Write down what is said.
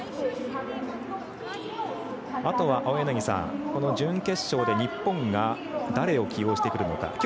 あとは青柳さんこの準決勝で日本が誰を起用してくるのか。